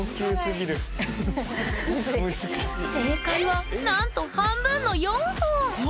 正解はなんと半分の４本えっ４本？